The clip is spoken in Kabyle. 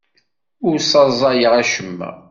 Ur ssaẓayeɣ acemma.